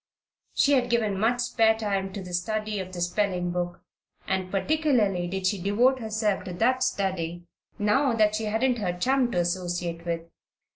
She had given much spare time to the study of the spelling book, and particularly did she devote herself to that study now that she hadn't her chum to associate with.